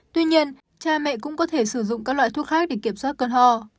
tuy nhiên cha mẹ cũng có thể sử dụng các loại thuốc khác để kiểm soát cơn ho